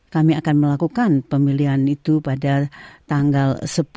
kami akan melakukan pemilihan itu pada tanggal sepuluh